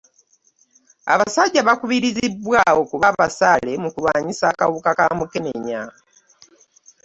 Abasajja bakubirizibwa okuba abasaale mu kulwanyiisa akawuka ka mukenenya.